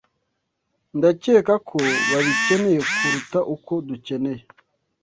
Ndakeka ko babikeneye kuruta uko dukeneye.